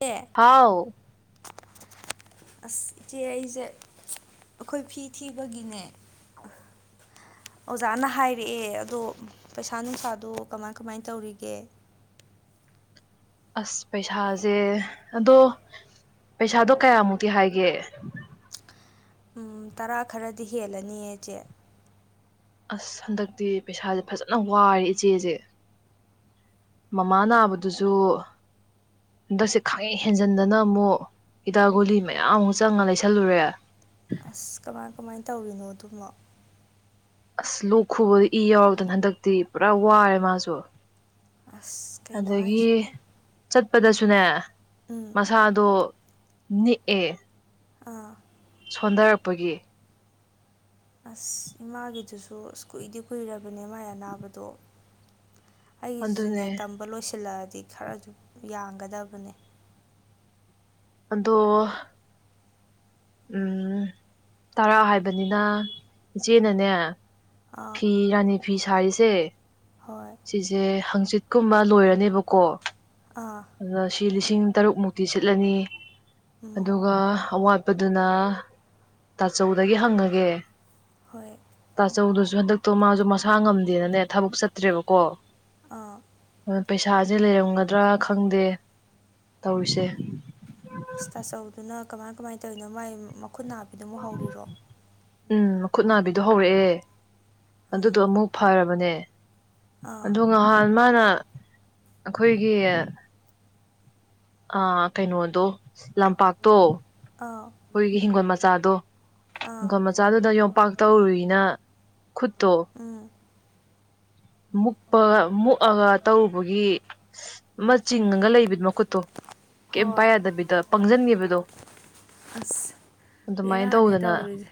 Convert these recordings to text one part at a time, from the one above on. ꯅꯦ ꯍꯥꯎ ꯑꯁ ꯏꯆꯦ ꯑꯩꯖꯦ ꯑꯩꯈꯣꯏ ꯐꯤ ꯊꯤꯕꯒꯤꯅꯦ ꯑꯣꯖꯥꯅ ꯍꯥꯏꯔꯛꯑꯦ ꯑꯗꯣ ꯄꯩꯁꯥ ꯅꯨꯡꯁꯥꯗꯣ ꯀꯃꯥꯏ ꯀꯃꯥꯏꯅ ꯇꯧꯔꯤꯒꯦ ꯑꯁ ꯄꯩꯁꯥꯖꯦ ꯑꯗꯣ ꯄꯩꯁꯥꯗꯣ ꯀꯌꯥꯃꯨꯛꯇꯤ ꯍꯥꯏꯒꯦ ꯎꯝ ꯇꯔꯥ ꯈꯔꯗꯤ ꯍꯦꯜꯂꯅꯤꯌꯦ ꯆꯦ ꯑꯁ ꯍꯟꯗꯛꯇꯤ ꯄꯩꯁꯥꯖꯦ ꯐꯖꯅ ꯋꯥꯔꯦ ꯏꯆꯦꯖꯦ ꯃꯃꯥ ꯅꯥꯕꯗꯨꯁꯨ ꯍꯟꯗꯛꯁꯤꯠ ꯈꯥꯡꯍꯦꯟ ꯍꯦꯟꯖꯟꯗꯅ ꯑꯃꯨꯛ ꯍꯤꯗꯥꯛ ꯒꯨꯂꯤ ꯃꯌꯥꯝ ꯑꯃꯨꯛ ꯆꯪꯉ ꯂꯩꯁꯜꯂꯨꯔꯦ ꯑꯁ ꯀꯃꯥꯏ ꯀꯃꯥꯏꯅ ꯇꯧꯔꯤꯅꯣ ꯑꯗꯨꯕꯣ ꯑꯁ ꯂꯣꯛ ꯈꯨꯕꯗ ꯏ ꯌꯥꯎꯗꯅ ꯍꯟꯗꯛꯇꯤ ꯄꯨꯔꯥ ꯋꯥꯔꯦ ꯃꯥꯖꯨ ꯑꯁ ꯀꯩꯅꯣ ꯑꯗꯒꯤ ꯍꯥꯏꯁꯤꯕꯣ ꯆꯠꯄꯗꯁꯨꯅꯦ ꯎꯝ ꯃꯁꯥꯗꯣ ꯅꯤꯛꯑꯦ ꯑ ꯁꯣꯟꯗꯔꯛꯄꯒꯤ ꯑꯁ ꯏꯃꯥꯒꯤꯗꯨꯁꯨ ꯑꯁ ꯀꯨꯏꯗꯤ ꯀꯨꯏꯔꯕꯅꯦ ꯃꯥꯏ ꯑꯅꯥꯕꯗꯣ ꯑꯩꯒꯤꯖꯤꯖꯨꯅꯦ ꯑꯗꯨꯅꯦ ꯇꯝꯕ ꯂꯣꯏꯁꯤꯜꯂꯛꯑꯗꯤ ꯈꯔꯖꯨ ꯌꯥꯡꯒꯗꯕꯅꯦ ꯑꯗꯣ ꯎꯝ ꯇꯔꯥ ꯍꯥꯏꯕꯅꯤꯅ ꯏꯆꯦꯅꯅꯦ ꯑꯥ ꯐꯤ ꯔꯥꯅꯤ ꯐꯤ ꯁꯥꯔꯤꯁꯦ ꯍꯣꯏ ꯁꯤꯁꯦ ꯍꯪꯆꯤꯠꯀꯨꯝꯕ ꯂꯣꯏꯔꯅꯤꯕꯀꯣ ꯑꯥ ꯑꯗꯨꯅ ꯁꯤ ꯂꯤꯁꯤꯡ ꯇꯔꯨꯛꯃꯨꯛꯇꯤ ꯁꯤꯠꯂꯅꯤ ꯎꯝ ꯑꯗꯨꯒ ꯑꯋꯥꯠꯄꯗꯨꯅ ꯇꯥꯆꯧꯗꯒꯤ ꯍꯪꯉꯒꯦ ꯍꯣꯏ ꯇꯥꯆꯧꯗꯨꯁꯨ ꯍꯟꯗꯛꯇꯣ ꯃꯥꯖꯨ ꯃꯁꯥ ꯉꯝꯗꯦꯅꯅꯦ ꯊꯕꯛ ꯆꯠꯇ꯭ꯔꯦꯕꯀꯣ ꯑꯥ ꯑ ꯄꯩꯁꯥꯖꯦ ꯂꯩꯔꯝꯒꯗ꯭ꯔꯥ ꯈꯪꯗꯦ ꯇꯧꯔꯤꯁꯦ ꯑꯁ ꯇꯥꯥꯆꯧꯗꯨꯅ ꯀꯃꯥꯏ ꯀꯃꯥꯏꯟ ꯇꯧꯔꯤꯅꯣ ꯃꯥꯏ ꯃꯈꯨꯠ ꯅꯥꯕꯤꯗꯣ ꯑꯃꯨꯛ ꯍꯧꯔꯤꯔꯣ ꯎꯝ ꯃꯈꯨꯠ ꯅꯥꯕꯤꯗꯣ ꯍꯧꯔꯛꯑꯦ ꯑꯗꯨꯗꯣ ꯎꯝ ꯑꯃꯨꯛ ꯐꯔꯕꯅꯦ ꯑꯥ ꯑꯗꯨ ꯉꯍꯥꯟ ꯃꯥꯅ ꯑꯩꯈꯣꯏꯒꯤ ꯑ ꯀꯩꯅꯣꯗꯣ ꯂꯝꯄꯥꯛꯇꯣ ꯑꯥ ꯑꯩꯈꯣꯏꯒꯤ ꯍꯤꯡꯒꯣꯜ ꯃꯆꯥꯗꯣ ꯑꯥ ꯒꯣꯜ ꯃꯆꯥꯗꯨꯗ ꯌꯣꯝꯄꯥꯛ ꯇꯧꯔꯨꯏꯅ ꯈꯨꯠꯇꯣ ꯎꯝ [inaudible] ꯃꯨꯛꯄ ꯃꯨꯛꯑꯒ ꯇꯔꯨꯕꯒꯤ ꯑꯃ ꯆꯤꯡꯉꯒ ꯂꯩꯕꯤ ꯃꯈꯨꯠꯇꯣ ꯀꯩꯝ ꯄꯥꯏ ꯍꯣꯏ ꯌꯥꯗꯕꯤꯗ ꯄꯪꯁꯟꯒꯤꯕꯗꯣ ꯑꯁ ꯕꯦꯔꯥꯅꯦ ꯇꯧꯗꯅ ꯇꯧꯔꯤꯁꯦ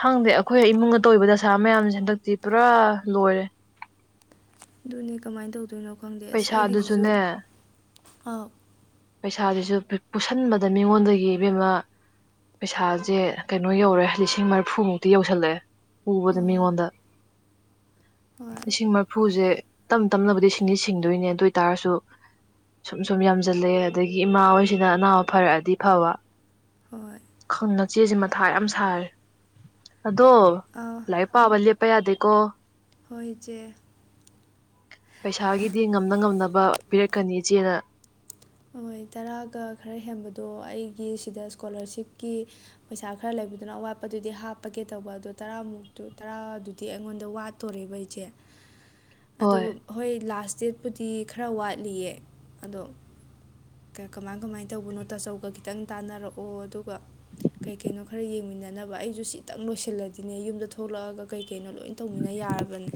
ꯈꯪꯗꯦ ꯑꯩꯈꯣꯏ ꯏꯃꯨꯡꯗ ꯇꯧꯔꯤꯕ ꯗꯁꯥ ꯃꯌꯥꯝꯁꯦ ꯍꯟꯗꯛꯇꯤ ꯄꯨꯔꯥ ꯂꯣꯏꯔꯦ ꯑꯗꯨꯅꯦ ꯀꯃꯥꯏꯟ ꯇꯧꯗꯣꯏꯅꯣ ꯈꯪꯗꯦ ꯑꯁ ꯑꯩꯒꯤꯗꯨꯁꯨ ꯄꯩꯁꯥꯗꯨꯁꯨꯅꯦ ꯑꯥꯎ ꯄꯩꯁꯥꯁꯤꯁꯨ ꯄꯨꯁꯟꯕꯗ ꯃꯤꯉꯣꯟꯗꯒꯤ ꯏꯕꯦꯝꯃ ꯄꯩꯁꯥꯁꯦ ꯀꯩꯅꯣ ꯌꯧꯔꯦ ꯂꯤꯁꯤꯡ ꯃꯔꯐꯨꯃꯨꯛꯇꯤ ꯌꯧꯁꯜꯂꯛꯑꯦ ꯄꯨꯕꯗ ꯑꯥ ꯃꯤꯉꯣꯟꯗ ꯍꯣꯏ ꯂꯤꯁꯤꯡ ꯃꯔꯐꯨꯁꯦ ꯇꯝ ꯇꯝꯅꯕꯨꯗꯤ ꯁꯤꯡꯗꯤ ꯁꯤꯡꯗꯣꯏꯅꯦ ꯑꯗꯨꯏ ꯇꯥꯔꯒꯁꯨ ꯁꯨꯝ ꯁꯨꯝ ꯌꯥꯝꯁꯤꯜꯂꯦ ꯑꯗꯒꯤ ꯏꯃꯥ ꯍꯣꯏꯁꯤꯅ ꯑꯅꯥꯕ ꯐꯔꯛꯑꯗꯤ ꯐꯕ ꯍꯣꯏ ꯈꯪ ꯅꯆꯦꯁꯦ ꯃꯊꯥ ꯌꯥꯝ ꯁꯥꯔꯦ ꯑꯗꯣ ꯑꯥ ꯂꯥꯏꯔꯤꯛ ꯄꯥꯕ ꯂꯦꯞꯄ ꯌꯥꯗꯦꯀꯣ ꯍꯣꯏ ꯏꯆꯦ ꯄꯩꯁꯥꯒꯤꯗꯤ ꯉꯝꯅ ꯉꯝꯅꯕ ꯄꯤꯔꯛꯀꯅꯤ ꯏꯆꯦꯅ ꯍꯣꯏ ꯇꯔꯥꯒ ꯈꯔ ꯍꯦꯟꯕꯗꯣ ꯑꯩꯒꯤ ꯁꯤꯗ ꯁ꯭ꯀꯣꯂꯥꯔꯁꯤꯞꯀꯤ ꯄꯩꯁꯥ ꯈꯔ ꯂꯩꯕꯗꯨꯅ ꯑꯋꯥꯠꯄꯗꯨꯗꯤ ꯍꯥꯞꯄꯒꯦ ꯇꯧꯕ ꯑꯗꯨ ꯇꯔꯥꯃꯨꯛꯇꯨ ꯇꯔꯥꯗꯨꯗꯤ ꯑꯩꯉꯣꯟꯗ ꯋꯥꯠ ꯇꯣꯔꯦꯕ ꯏꯆꯦ ꯑꯗꯨ ꯍꯣꯏ ꯍꯣꯏ ꯂꯥꯁ ꯗꯦꯠꯄꯨꯗꯤ ꯈꯔ ꯋꯥꯠꯂꯤꯌꯦ ꯑꯗꯣ ꯀꯃꯥꯏ ꯀꯃꯥꯏꯟ ꯇꯧꯕꯅꯣ ꯇꯥꯆꯧꯒ ꯈꯤꯇꯪ ꯇꯥꯟꯅꯔꯛꯑꯣ ꯑꯗꯨꯒ ꯀꯩ ꯀꯩꯅꯣ ꯈꯔ ꯌꯦꯡꯃꯤꯟꯅꯅꯕ ꯑꯩꯁꯨ ꯁꯤꯇꯪ ꯂꯣꯏꯁꯤꯜꯂꯗꯤꯅꯦ ꯌꯨꯝꯗ ꯊꯣꯛꯂꯛꯑꯒ ꯀꯩ ꯀꯩꯅꯣ ꯂꯣꯏ ꯇꯧꯃꯤꯟꯅ ꯌꯥꯔꯕꯅꯦ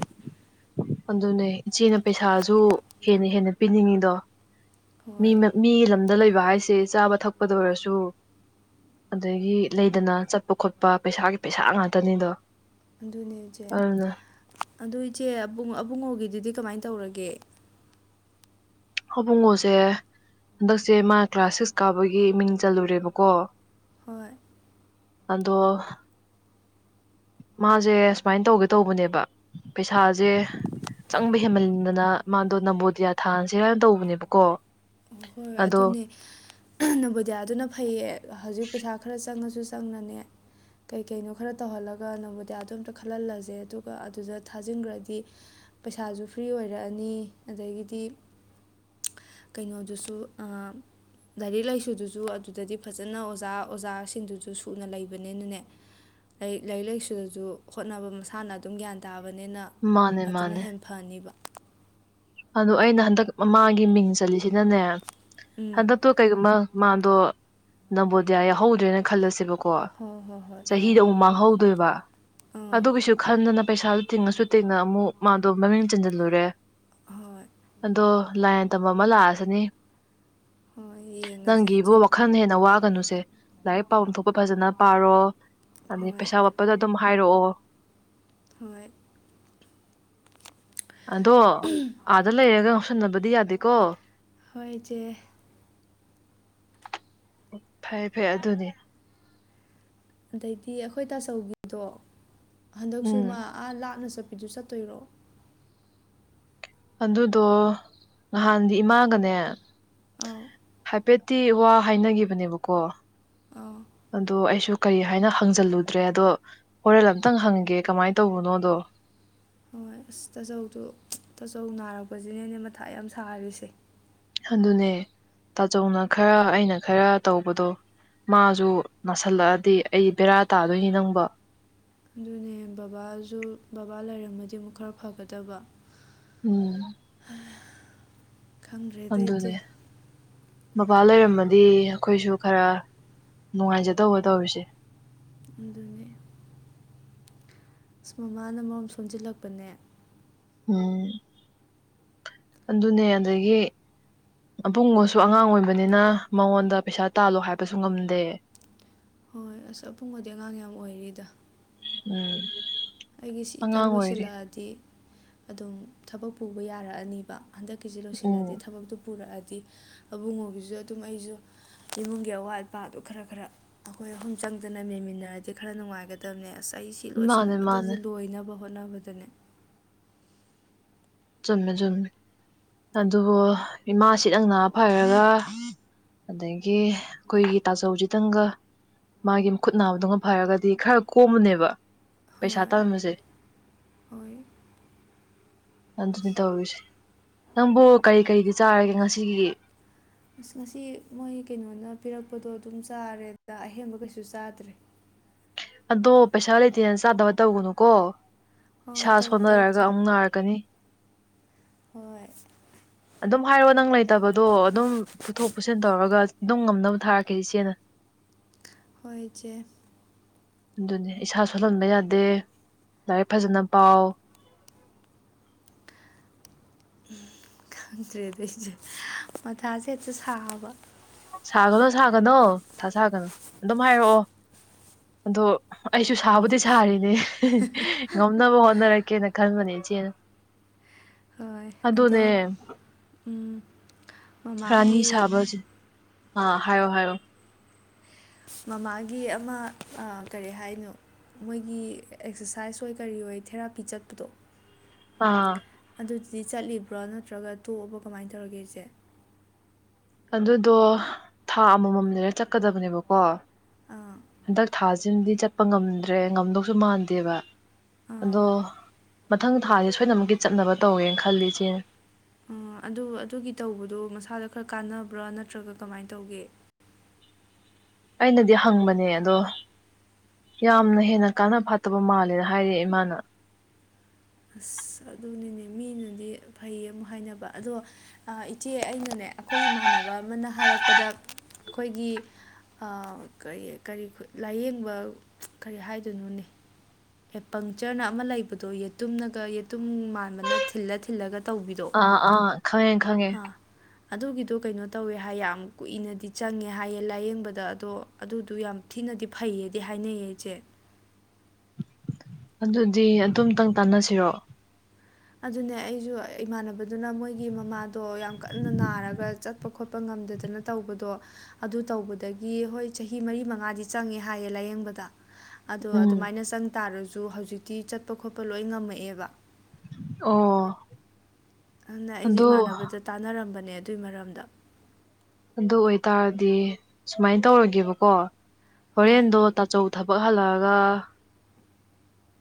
ꯑꯗꯨꯅꯦ ꯏꯆꯦꯅ ꯄꯩꯁꯥꯁꯨ ꯍꯦꯟꯅ ꯍꯦꯟꯅ ꯄꯤꯅꯤꯡꯉꯤꯗꯣ ꯃꯤ ꯍꯣꯏ ꯃꯤꯒꯤ ꯂꯝꯗ ꯂꯩꯕ ꯍꯥꯏꯁꯦ ꯆꯥꯕ ꯊꯛꯄꯗ ꯑꯣꯏꯔꯁꯨ ꯑꯗꯒꯤ ꯂꯩꯗꯅ ꯆꯠꯄ ꯈꯣꯠꯄ ꯄꯩꯁꯥꯒꯤ ꯄꯩꯁꯥ ꯉꯥꯛꯇꯅꯤꯗꯣ꯫ ꯑꯗꯨꯅꯦ ꯏꯆꯦ ꯑꯗꯨꯅ ꯑꯗꯨ ꯏꯆꯦ ꯑꯕꯨꯡ ꯑꯕꯨꯡꯉꯣꯒꯤꯗꯨꯗꯤ ꯀꯃꯥꯏ ꯇꯧꯔꯒꯦ ꯍꯕꯨꯡꯉꯣꯁꯦ ꯍꯟꯗꯛꯁꯦ ꯃꯥ ꯀ꯭ꯂꯥꯁ ꯁꯤꯛꯁ ꯀꯥꯕꯒꯤ ꯃꯤꯡ ꯆꯜꯂꯨꯔꯦꯕꯀꯣ꯫ ꯍꯣꯏ ꯑꯗꯣ ꯃꯥꯖꯦ ꯁꯨꯃꯥꯏꯅ ꯇꯧꯒꯦ ꯇꯧꯕꯅꯦꯕ ꯄꯩꯁꯥꯖꯦ ꯆꯪꯕ ꯍꯦꯃꯟꯗꯅ ꯃꯥꯗꯣ ꯅꯝꯕꯣꯗꯤꯌꯥ ꯊꯥꯍꯟꯁꯤꯔꯅ ꯇꯧꯕꯅꯦꯕꯀꯣ ꯍꯣꯏ ꯍꯣꯏ ꯑꯗꯣ ꯑꯗꯨꯅꯦ ꯅꯕꯣꯗꯤꯌꯥꯗꯨꯅ ꯐꯩꯌꯦ ꯍꯧꯖꯤꯛ ꯄꯩꯁꯥ ꯈꯔ ꯆꯪꯉꯁꯨ ꯆꯪꯉꯅꯦ ꯀꯩꯀꯩꯅꯣ ꯈꯔ ꯇꯧꯍꯜꯂꯒ ꯅꯣꯡꯕꯣꯗꯤꯌꯥꯗꯣ ꯑꯝꯇ ꯈꯜꯍꯜꯂꯁꯦ ꯑꯗꯨꯒ ꯑꯗꯨꯗ ꯊꯥꯖꯤꯟꯒ꯭ꯔꯗꯤ ꯄꯩꯁꯥꯁꯨ ꯐ꯭ꯔꯤ ꯑꯣꯏꯔꯛꯑꯅꯤ ꯑꯗꯒꯤꯗꯤ ꯀꯩꯅꯣꯗꯨꯁꯨ ꯑ ꯂꯥꯏꯔꯤꯛ ꯂꯥꯏꯁꯨꯗꯨꯁꯨ ꯑꯗꯨꯗꯗꯤ ꯐꯖꯅ ꯑꯣꯖꯥ ꯑꯣꯖꯥꯁꯤꯡꯗꯨꯁꯨ ꯁꯨꯅ ꯂꯩꯕꯅꯤꯅꯅꯦ ꯂꯥꯏꯛ ꯂꯥꯏꯔꯤꯛ ꯂꯥꯏꯁꯨꯁꯨ ꯍꯣꯠꯅꯕ ꯃꯁꯥꯅ ꯑꯗꯨꯝ ꯒ꯭ꯌꯥꯟ ꯇꯥꯕꯅꯤꯅ ꯃꯥꯅꯦ ꯑꯗꯨꯅ ꯃꯥꯅꯦ ꯍꯦꯟꯅ ꯐꯅꯤꯕ ꯑꯗꯣ ꯑꯩꯅ ꯍꯟꯗꯛ ꯃꯃꯥꯒꯤ ꯃꯤꯡ ꯆꯜꯂꯤꯁꯤꯅꯅꯦ ꯎꯝ ꯍꯟꯗꯛ ꯇꯣ ꯀꯩꯒꯨꯝꯕ ꯃꯥꯗꯣ ꯅꯕꯣꯗꯤꯌꯥ ꯌꯥꯎꯍꯧꯗ꯭ꯔꯦꯅ ꯈꯜꯂꯁꯦꯕ ꯀꯣ ꯍꯣꯏ ꯍꯣꯏ ꯍꯣꯏ ꯑꯥ ꯆꯍꯤꯗꯨ ꯑꯃꯨꯛ ꯃꯥꯡꯍꯧꯗꯣꯏꯕ ꯑꯥ ꯑꯗꯨꯒꯤꯁꯨ ꯈꯟꯗꯅ ꯄꯩꯁꯥꯗꯨ ꯇꯤꯡꯉꯁꯨ ꯇꯤꯡꯅ ꯑꯃꯨꯛ ꯃꯥꯗꯣ ꯃꯃꯤꯡ ꯆꯟꯖꯜꯂꯨꯔꯦ ꯍꯣꯏ ꯑꯗꯣ ꯂꯥꯏꯅ ꯇꯝꯕ ꯑꯃ ꯂꯥꯛꯑꯁꯤꯅꯤ ꯍꯣꯏ ꯌꯦꯡꯉꯁꯦ ꯅꯪꯒꯤꯕꯨ ꯏꯆꯦ ꯋꯥꯜ ꯈꯟꯅ ꯍꯦꯟꯅ ꯋꯥꯒꯅꯨꯁꯦ ꯂꯥꯏꯔꯤꯛ ꯄꯥꯕꯝ ꯊꯣꯛꯄ ꯐꯖꯅ ꯄꯥꯔꯣ ꯑꯗꯩ ꯍꯣꯏ ꯄꯩꯁꯥ ꯄꯗ ꯗꯨꯝ ꯍꯥꯏꯔꯛꯑꯣ ꯍꯣꯏ ꯑꯗꯣ ꯑꯥꯗ ꯂꯩꯔꯒ ꯉꯧꯁꯟꯅꯕꯗꯤ ꯌꯥꯗꯦꯀꯣ꯫ ꯍꯣꯏ ꯏꯆꯦ ꯐꯩ ꯐꯩ ꯑꯗꯨꯅꯤ ꯑꯗꯩꯗꯤ ꯑꯩꯈꯣꯏ ꯇꯥꯆꯧꯒꯤꯗꯣ ꯍꯟꯗꯛꯁꯨ ꯎꯝ ꯃꯥ ꯑꯥ ꯂꯥꯞꯅ ꯆꯠꯄꯤꯗꯨ ꯆꯠꯇꯣꯏꯔꯣ? ꯑꯗꯨꯗꯣ ꯉꯍꯥꯟꯗꯤ ꯏꯃꯥꯒꯅꯦ ꯑꯥꯎ ꯄꯦꯠꯇꯤ ꯋꯥ ꯍꯥꯏꯅꯒꯤꯕꯅꯦꯕꯀꯣ ꯑꯧ ꯑꯗꯣ ꯑꯩꯁꯨ ꯀꯩ ꯍꯥꯏꯅ ꯍꯪꯖꯜꯂꯨꯗ꯭ꯔꯦ ꯑꯗꯣ ꯍꯣꯔꯦꯟ ꯑꯝꯇꯪ ꯍꯪꯒꯦ ꯀꯃꯥꯏꯅ ꯇꯧꯕꯅꯣꯗꯣ ꯍꯣꯏ ꯑꯁ ꯇꯥꯆꯧꯗꯨ ꯇꯥꯆꯧ ꯅꯥꯔꯛꯄꯁꯤꯅꯦꯅꯦ ꯃꯊꯥ ꯌꯥꯝ ꯁꯥꯔꯤꯁꯦ꯫ ꯑꯗꯨꯅꯦ ꯇꯥꯆꯧꯅ ꯈꯔ ꯑꯩꯅ ꯈꯔ ꯇꯧꯕꯗꯣ ꯃꯥꯖꯨ ꯅꯥꯁꯤꯜꯂꯛꯑꯗꯤ ꯑꯩ ꯕꯦꯔꯥ ꯇꯥꯗꯣꯏꯅꯤ ꯅꯪꯕꯣ ꯅꯦ ꯕꯕꯥꯖꯨ ꯕꯕꯥ ꯂꯩꯔꯝꯃꯗꯤ ꯑꯃꯨꯛ ꯈꯔ ꯐꯒꯗꯕ ꯎꯝ ꯈꯪꯗ꯭ꯔꯦꯗ ꯏꯆꯦ ꯑꯗꯨꯅꯦ ꯃꯕꯥ ꯂꯩꯔꯝꯃꯗꯤ ꯑꯩꯈꯣꯏꯁꯨ ꯈꯔ ꯅꯨꯡꯉꯥꯏꯖꯗꯧꯕ ꯇꯧꯔꯤꯁꯦ꯫ ꯑꯗꯨꯅꯦ ꯑꯁ ꯃꯃꯥꯅ ꯃꯔꯣꯝ ꯁꯟꯖꯤꯜꯂꯛꯄꯅꯦ ꯎꯝ ꯑꯗꯨꯅꯦ ꯑꯗꯒꯤ ꯑꯕꯨꯡꯉꯣꯁꯨ ꯑꯉꯥꯡ ꯑꯣꯏꯕꯅꯤꯅ ꯃꯉꯣꯟꯗ ꯄꯩꯁꯥ ꯇꯥꯜꯂꯣ ꯍꯥꯏꯕꯁꯨ ꯉꯝꯗꯦ꯫ ꯍꯣꯏ ꯑꯁ ꯑꯄꯨꯡꯕꯗꯤ ꯑꯉꯥꯡ ꯌꯥꯝ ꯑꯣꯏꯔꯤꯗ꯫ ꯎꯝ ꯑꯩꯒꯤ ꯑꯉꯥꯡ ꯁꯤꯇꯪ ꯑꯣꯏꯔꯤ ꯂꯣꯏꯁꯤꯜꯂꯛꯑꯗꯤ ꯑꯗꯨꯝ ꯊꯕꯛ ꯄꯨꯕ ꯌꯥꯔꯛꯑꯅꯤꯕ ꯍꯟꯗꯛꯀꯤꯁꯦ ꯂꯣꯏꯁꯤꯜꯂꯗꯤ ꯎꯝ ꯊꯕꯛꯇꯨ ꯄꯨꯔꯛꯑꯗꯤ ꯑꯕꯨꯡꯉꯣꯒꯤꯁꯨ ꯑꯗꯨꯝ ꯑꯩꯁꯨ ꯏꯃꯨꯡꯒꯤ ꯑꯋꯥꯠꯄꯥꯗꯣ ꯈꯔ ꯈꯔ ꯑꯩꯈꯣꯏ ꯑꯍꯨꯝ ꯆꯪꯗꯅ ꯃꯦꯟꯃꯤꯟꯅꯔꯗꯤ ꯈꯔ ꯅꯨꯡꯉꯥꯏꯒꯗ ꯇꯝꯅꯦ ꯑꯁ ꯑꯩ ꯁꯤ ꯃꯥꯅꯦ ꯂꯣꯏꯁꯤꯟꯕꯗꯗꯤ ꯃꯥꯅꯦ ꯂꯣꯏꯅꯕ ꯍꯣꯠꯅꯕꯗꯅꯦ ꯆꯨꯝꯃꯦ ꯆꯨꯝꯃꯦ ꯑꯗꯨꯕꯨ ꯏꯃꯥꯁꯤꯗꯪ ꯅꯥ ꯐꯥꯔꯒ ꯑꯗꯩꯩꯒꯤ ꯑꯩꯈꯣꯏꯒꯤ ꯇꯥꯖꯧꯁꯤꯗꯪꯒꯥ ꯃꯥꯒꯤ ꯃꯈꯠ ꯅꯥꯕꯗꯣꯒ ꯐꯔꯒꯗꯤ ꯈꯔ ꯀꯣꯝꯃꯥꯅꯦꯕ ꯄꯩꯁꯥ ꯍꯣꯏ ꯇꯥꯟꯕꯁꯦ ꯍꯣꯏ ꯑꯗꯨꯅꯤ ꯑꯁ ꯇꯧꯔꯤꯁꯦ ꯅꯪꯕꯨ ꯀꯔꯤ ꯀꯔꯤꯗꯤ ꯆꯥꯔꯒꯦ ꯉꯁꯤꯒꯤ ꯉꯁꯤ ꯃꯣꯏ ꯀꯩꯅꯣꯅ ꯄꯤꯔꯛꯄꯗꯣ ꯑꯗꯨꯝ ꯆꯥꯔꯦꯗ ꯑꯍꯦꯟꯕ ꯀꯩꯁꯨ ꯆꯥꯗ꯭ꯔꯦ ꯑꯗꯣ ꯄꯩꯁꯥ ꯂꯩꯇꯦꯅ ꯆꯥꯗꯕ ꯇꯧꯒꯅꯨꯀꯣ ꯏꯁꯥ ꯍꯣꯏ ꯇꯧꯗꯦ ꯁꯣꯟꯅꯔꯒ ꯏꯆꯦ ꯑꯃꯨꯛ ꯅꯥꯔꯛꯀꯅꯤ ꯍꯣꯏ ꯑꯗꯨꯝ ꯍꯥꯏꯌꯣ ꯅꯪ ꯂꯩꯇꯕꯗꯣ ꯑꯗꯨꯝ ꯄꯨꯊꯣꯛ ꯄꯨꯁꯤꯟ ꯇꯧꯔꯒ ꯑꯗꯨꯝ ꯉꯝꯅꯕ ꯊꯥꯔꯛꯀꯦ ꯏꯆꯦꯅ ꯍꯣꯏ ꯏꯆꯦ ꯑꯗꯨꯅꯦ ꯏꯁꯥ ꯁꯣꯜꯍꯟꯕ ꯌꯥꯗꯦ ꯂꯥꯏꯔꯤꯛ ꯐꯖꯅ ꯄꯥꯎ ꯈꯪꯗ꯭ꯔꯦꯗꯥ ꯏꯆꯦ ꯃꯥꯊꯥꯁꯦ ꯍꯦꯛꯇ ꯁꯥꯕ ꯁꯥꯒꯅꯣ ꯁꯥꯒꯅꯣ ꯃꯊꯥ ꯁꯥꯒꯅꯨ ꯑꯗꯨꯝ ꯍꯥꯏꯔꯛꯑꯣ ꯑꯗꯣ ꯑꯩꯁꯨ ꯁꯥꯕꯨꯗꯤ ꯁꯥꯔꯤꯅꯦ ꯉꯝꯅꯕ ꯍꯣꯠꯅꯔꯛꯀꯦꯅ ꯈꯟꯕꯅꯦ ꯏꯆꯦꯅ ꯍꯣꯏ ꯑꯗꯨꯅꯦ ꯑꯗꯣ ꯎꯝ ꯔꯥꯅꯤ ꯃꯃꯥꯒꯤ ꯁꯥꯕꯁꯦ ꯑꯥ ꯍꯥꯏꯌꯣ ꯍꯥꯏꯌꯣ ꯃꯃꯥꯒꯤ ꯑꯃ ꯀꯔꯤ ꯍꯥꯏꯅꯨ ꯃꯣꯏꯒꯤ ꯑꯦꯛꯁꯔꯁꯥꯏꯁ ꯑꯣꯏ ꯀꯔꯤ ꯑꯣꯏ ꯊꯦꯔꯥꯄꯤ ꯆꯠꯄꯗꯣ ꯑꯥ ꯑꯗꯨꯗꯤ ꯆꯠꯂꯤꯕ꯭ꯔꯣ ꯅꯠꯇ꯭ꯔꯒ ꯇꯣꯛꯑꯕꯣ ꯀꯃꯥꯏꯟ ꯇꯧꯔꯒꯦ ꯏꯆꯦ ꯑꯗꯨꯗꯣ ꯊꯥ ꯑꯃꯃꯝ ꯂꯩꯔꯥ ꯆꯠꯀꯗꯕꯅꯦꯕꯀꯣ ꯑꯥ ꯍꯟꯗꯛ ꯊꯥꯖꯤꯝꯗꯤ ꯆꯠꯄꯥ ꯉꯝꯗ꯭ꯔꯦ ꯉꯝꯗꯧꯁꯨ ꯃꯥꯟꯗꯦꯕꯥ ꯑꯥ ꯑꯗꯣ ꯃꯊꯪ ꯊꯥꯥꯖꯦ ꯁꯣꯏꯗꯅꯃꯛꯀꯤ ꯆꯠꯅꯕ ꯇꯧꯒꯦꯅ ꯈꯜꯂꯤ ꯏꯆꯦ ꯑꯗꯨ ꯑꯗꯨꯒꯤ ꯇꯧꯕꯗꯣ ꯃꯁꯥꯗ ꯈꯔ ꯀꯥꯟꯅꯕ꯭ꯔꯥ ꯅꯠꯇ꯭ꯔꯥꯒ ꯀꯃꯥꯏꯟ ꯇꯧꯒꯦ ꯑꯩꯅꯗꯤ ꯍꯪꯕꯅꯦ ꯑꯗꯣ ꯌꯥꯝ ꯍꯦꯟꯅ ꯀꯥꯟꯅ ꯐꯥꯠꯇꯕ ꯃꯥꯜꯂꯦ ꯍꯥꯏꯔꯛꯑꯦ ꯃꯥꯅꯥ ꯑꯁ ꯑꯗꯨꯅꯤꯅꯦ ꯃꯤꯅꯗꯤ ꯐꯩ ꯑꯃꯨꯛ ꯍꯥꯏꯅꯕ ꯑꯗꯣ ꯏꯆꯦ ꯑꯩꯅꯅꯦ ꯑꯩꯈꯣꯏ ꯏꯃꯥꯟꯅꯕꯥ ꯑꯃꯅ ꯍꯥꯏꯔꯛꯄꯗ ꯑꯩꯈꯣꯏꯒꯤ ꯑꯥ ꯀꯔꯤ ꯀꯔꯤ ꯈꯨꯠ ꯂꯥꯏꯌꯦꯡꯕ ꯀꯔꯤ ꯍꯥꯏꯗꯣꯏꯅꯣꯅꯦ ꯍꯦꯄꯪꯆꯔꯅ ꯑꯃ ꯂꯩꯕꯗꯣ ꯌꯦꯇꯨꯝꯅꯒ ꯌꯦꯇꯨꯝ ꯃꯥꯟꯕꯅ ꯊꯤꯜꯂ ꯊꯤꯜꯂꯒ ꯇꯧꯕꯤꯗꯣ ꯑꯥ ꯑꯥ ꯈꯪꯉꯦ ꯈꯪꯉꯦ ꯍꯥ ꯑꯗꯨꯒꯤꯗꯣ ꯀꯩꯅꯣ ꯇꯧꯋꯦ ꯍꯥꯏ ꯌꯥꯝ ꯀꯨꯏꯅꯗꯤ ꯆꯪꯉꯦ ꯍꯥꯏꯌꯦ ꯂꯥꯏꯌꯦꯡꯕꯗ ꯑꯗꯣ ꯑꯗꯨꯗꯨ ꯌꯥꯝ ꯊꯤꯅꯗꯤ ꯐꯩꯌꯦꯗꯤ ꯍꯥꯏꯅꯩꯌꯦ ꯏꯆꯦ ꯑꯗꯨꯗꯤ ꯑꯗꯨꯝꯇꯪ ꯇꯥꯟꯅꯁꯤꯔꯣ ꯑꯗꯨꯅꯦ ꯑꯩꯁꯨ ꯏꯃꯥꯟꯅꯕꯗꯨꯅ ꯃꯣꯏꯒꯤ ꯃꯃꯥꯗꯣ ꯌꯥꯝ ꯀꯟꯅ ꯅꯥꯔꯒ ꯆꯠꯄ ꯈꯣꯠꯄ ꯄꯥ ꯉꯝꯗꯗꯅ ꯇꯧꯕꯗꯣ ꯑꯗꯨ ꯇꯧꯕꯗꯒꯤ ꯍꯣꯏ ꯆꯍꯤ ꯃꯔꯤ ꯃꯉꯥꯗꯤ ꯆꯪꯉꯦ ꯍꯥꯏꯌꯦ ꯂꯥꯏꯌꯦꯡꯕꯗ꯫ ꯑꯗꯣ ꯑꯗꯨꯃꯥꯏꯅ ꯆꯪ ꯇꯥꯔꯁꯨ ꯍꯧꯖꯤꯛꯇꯤ ꯆꯠꯄ ꯈꯣꯠꯄ ꯂꯣꯏ ꯉꯝꯃꯛꯑꯦꯕ ꯑꯣ ꯑꯗꯨꯅ ꯑꯩꯖꯦ ꯑꯗꯣ ꯏꯃꯥꯟꯅꯕꯗ ꯇꯥꯟꯅꯔꯝꯕꯅꯦ ꯑꯗꯨꯏ ꯃꯔꯝꯗ꯫ ꯑꯗꯨ ꯑꯣꯏꯇꯥꯔꯗꯤ ꯁꯨꯃꯥꯏꯟ ꯇꯧꯔꯒꯦꯕꯀꯣ ꯍꯣꯏ ꯍꯣꯔꯦꯟꯗꯣ ꯇꯠ ꯆꯧ ꯊꯕꯛ ꯍꯜꯂꯛꯑꯒ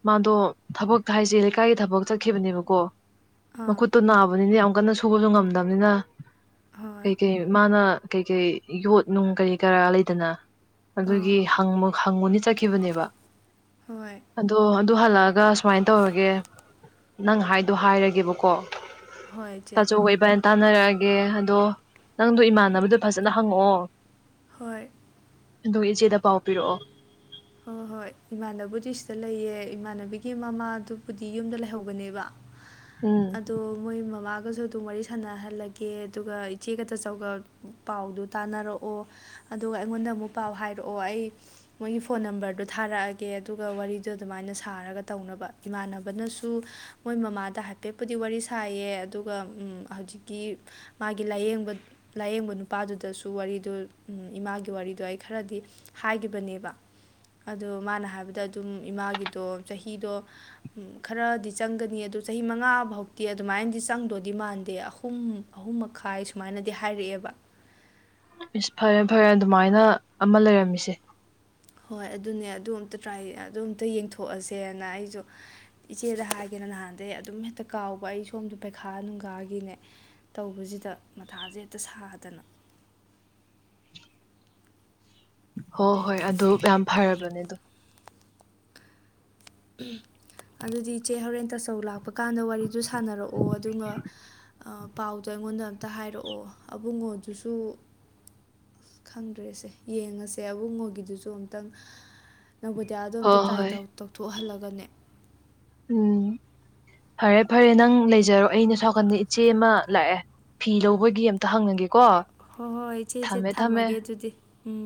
ꯃꯥꯗꯣ ꯊꯕꯛ ꯍꯥꯏꯖꯦ ꯂꯩꯀꯥꯏꯒꯤ ꯊꯕꯛ ꯆꯠꯈꯤꯕꯅꯦꯕꯀꯣ꯫ ꯑꯥ ꯃꯈꯨꯠꯇꯣ ꯅꯥꯕꯅꯤꯅ ꯌꯥꯝ ꯀꯟꯅ ꯁꯨꯕꯖꯨ ꯉꯝꯗꯕꯅꯤꯅ ꯍꯣꯏ ꯀꯩ ꯀꯩ꯫ ꯃꯥꯅ ꯀꯩ ꯀꯩ ꯌꯣꯠꯅꯨꯡ ꯀꯔꯤ ꯀꯔꯥ ꯂꯩꯗꯅ꯫ ꯑꯥ ꯑꯗꯨꯒꯤ ꯍꯪꯕ ꯍꯪꯉꯨꯅꯤ ꯆꯠꯈꯤꯕꯅꯦꯕ꯫ ꯍꯣꯏ ꯑꯗꯣ ꯑꯗꯨ ꯍꯜꯂꯛꯑꯒ ꯁꯨꯃꯥꯏꯟ ꯇꯧꯔꯒꯦ ꯅꯪ ꯍꯥꯏꯗꯣ ꯍꯥꯏꯔꯒꯦꯕꯀꯣ꯫ ꯍꯣꯏ ꯏꯆꯦ ꯇꯥꯆꯧꯒ ꯏꯕꯥꯅꯤ ꯇꯥꯅꯔꯛꯑꯒꯦ ꯑꯗꯣ ꯅꯪꯗꯣ ꯏꯃꯥꯟꯅꯕꯗꯣ ꯐꯖꯅ ꯍꯪꯉꯛꯑꯣ꯫ ꯍꯣꯏ꯫ ꯑꯗꯨꯒ ꯏꯆꯦꯗ ꯄꯥꯎ ꯄꯤꯔꯛꯑꯣ꯫ ꯍꯣ ꯍꯣꯏ ꯏꯃꯥꯟꯅꯕꯨꯗꯤ ꯁꯤꯗ ꯂꯩꯌꯦ ꯏꯃꯥꯟꯅꯕꯤꯒꯤ ꯃꯃꯥꯗꯨꯕꯨꯗꯤ ꯌꯨꯝꯗ ꯂꯩꯍꯧꯕꯅꯦꯕ꯫ ꯎꯝ ꯑꯗꯣ ꯃꯣꯏ ꯃꯃꯥꯒꯖꯨ ꯗꯨꯝ ꯋꯥꯔꯤ ꯁꯥꯟꯅꯍꯜꯂꯒꯦ ꯑꯗꯨꯒ ꯏꯆꯦꯒ ꯇꯥꯆꯧꯒ ꯄꯥꯎꯗꯨ ꯇꯥꯟꯅꯔꯛꯑꯣ꯫ ꯑꯗꯨꯒ ꯑꯩꯉꯣꯟꯗ ꯑꯃꯨꯛ ꯄꯥꯎ ꯍꯥꯏꯔꯛꯑꯣ ꯑꯩ ꯃꯣꯏꯒꯤ ꯐ ꯐꯣꯟ ꯅꯝꯕꯔꯗꯨ ꯊꯥꯔꯛꯑꯒꯦ ꯑꯗꯨꯒ ꯋꯥꯔꯤꯗꯣ ꯑꯗꯨꯃꯥꯏꯅ ꯁꯥꯔꯒ ꯇꯧꯅꯕ ꯏꯃꯥꯟꯅꯕꯅꯁꯨ ꯃꯣꯏ ꯃꯃꯥꯗ ꯍꯥꯏꯐꯦꯠꯄꯨꯗꯤ ꯋꯥꯔꯤ ꯁꯥꯏꯌꯦ ꯑꯗꯨꯒ ꯎꯝ ꯍꯧꯖꯤꯛꯀꯤ ꯃꯥꯒꯤ ꯂꯥꯏꯌꯦꯡꯕ ꯂꯥꯏꯌꯦꯡꯕ ꯅꯨꯄꯥꯗꯨꯗꯁꯨ ꯋꯥꯔꯤꯗꯣ ꯎꯝ ꯏꯃꯥꯒꯤ ꯋꯥꯔꯤꯗꯣ ꯑꯩ ꯈꯔꯗꯤ ꯍꯥꯏꯒꯤꯕꯅꯦꯕ꯫ ꯑꯗꯣ ꯃꯥꯅ ꯍꯥꯏꯕꯗ ꯑꯗꯨꯝ ꯏꯃꯥꯒꯤꯗꯣ ꯆꯍꯤꯗꯣ ꯈꯔꯗꯤ ꯆꯪꯒꯅꯤ ꯑꯗꯨ ꯆꯍꯤ ꯃꯉꯥ ꯐꯥꯎꯗꯤ ꯑꯗꯨꯃꯥꯏꯟꯗꯤ ꯆꯪꯗꯣꯗꯤ ꯃꯥꯟꯗꯦ ꯑꯍꯨꯝ ꯑꯍꯨꯝ ꯃꯈꯥꯏ ꯁꯨꯃꯥꯏꯅꯗꯤ ꯍꯥꯏꯔꯛꯑꯦꯕ꯫ ꯏꯁ ꯐꯔꯦ ꯐꯔꯦ ꯑꯗꯨꯃꯥꯏꯅ ꯑꯃ ꯂꯩꯔꯝꯃꯤꯁꯦ꯫ ꯍꯣꯏ ꯑꯗꯨꯅꯦ ꯑꯗꯨ ꯑꯝꯇ ꯇ꯭ꯔꯥꯏ ꯑꯗꯨ ꯑꯝꯇ ꯌꯦꯡꯊꯣꯛꯑꯁꯦꯅ ꯑꯩꯁꯨ ꯏꯆꯦꯗ ꯍꯥꯏꯒꯦꯅ ꯅꯍꯥꯟꯗꯩ ꯑꯗꯨꯝ ꯍꯦꯛꯇ ꯀꯥꯎꯕ ꯑꯩ ꯁꯣꯝꯗ ꯄꯩꯈꯥ ꯅꯨꯡꯒꯥꯥꯒꯤꯅꯦ꯫ ꯇꯧꯕꯖꯤꯗ ꯃꯊꯥꯖꯦ ꯍꯦꯛꯇ ꯁꯥꯗꯅ꯫ ꯍꯣ ꯍꯣꯏ ꯑꯗꯨ ꯌꯥꯝ ꯐꯔꯕꯅꯦ ꯑꯗꯣ꯫ ꯑꯗꯨꯗꯤ ꯏꯆꯦ ꯍꯧꯔꯦꯟ ꯇꯆꯧ ꯂꯥꯛꯄ ꯀꯥꯟꯗ ꯋꯥꯔꯤꯗꯨ ꯁꯥꯟꯅꯔꯛꯑꯣ ꯑꯗꯨꯒ ꯑꯥ ꯄꯥꯎꯗꯣ ꯑꯩꯉꯣꯟꯗ ꯑꯝꯇ ꯍꯥꯏꯔꯛꯑꯣ ꯑꯕꯨꯡꯉꯣꯗꯨꯁꯨ ꯈꯪꯗ꯭ꯔꯦꯁꯦ ꯌꯦꯡꯉꯁꯦ ꯑꯕꯨꯡꯉꯣꯒꯤꯗꯨꯁꯨ ꯑꯝꯇꯪ ꯅꯕꯣꯗꯤꯌꯥꯗꯣ ꯑꯝꯇ ꯍꯣꯏ ꯇ꯭ꯔꯥꯏ ꯍꯣꯏ ꯇꯧ ꯇꯧꯊꯣꯛꯍꯜꯂꯒꯅꯦ ꯎꯝ ꯐꯔꯦ ꯐꯔꯦ ꯅꯪ ꯂꯩꯖꯔꯣ ꯑꯩꯅꯦ ꯁꯣ ꯅꯥꯀꯟꯗ ꯏꯠ ꯆꯦ ꯑꯃ ꯂꯥꯛꯑꯦ ꯐꯤ ꯂꯧꯕꯒꯤ ꯑꯝꯇ ꯍꯪꯅꯒꯦꯀꯣ꯫ ꯍꯣ ꯍꯣꯏ ꯏꯆꯦ ꯏꯆꯦ ꯊꯝꯃꯒꯦ ꯑꯗꯨꯗꯤ ꯎꯝ꯫